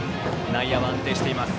内野は安定しています。